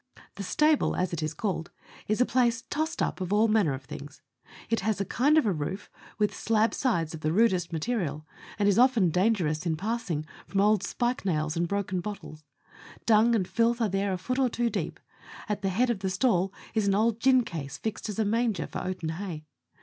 The stable, as it is called, is a place tossed up of all manner of things ; it has a kind of a roof, with slab sides of the rudest material, and is often dangerous in passing, from old spike nails and broken bottles ; dung and filth are there a foot or two deep ; at the head of the stall is an old gin case fixed as a manger for oaten hay.